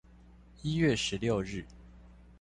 一月十六日